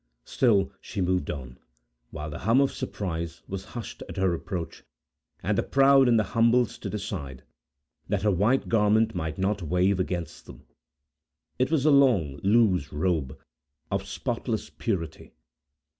Still she moved on, while the hum of surprise was hushed at her approach, and the proud and the humble stood aside, that her white garment might not wave against them. It was a long, loose robe, of spotless purity.